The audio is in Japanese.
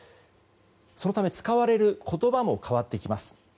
そのため、使われる言葉も変わってきます。